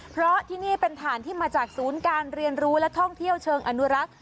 เพราะที่นี่เป็นฐานที่มาจากศูนย์การเรียนรู้และท่องเที่ยวเชิงอนุรักษ์